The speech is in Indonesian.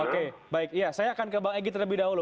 oke baik ya saya akan ke bang egy terlebih dahulu